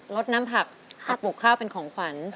ลดน้ำผักปลูกข้าวเป็นของขวัญ